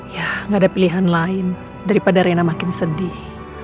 ya gak ada pilihan lain daripada rena makin sedih